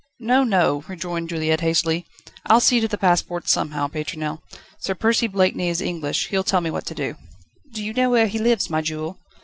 "No, no," rejoined Juliette hastily; "I'll see to the passports somehow, Pétronelle. Sir Percy Blakeney is English; he'll tell me what to do." "Do you know where he lives, my jewel?"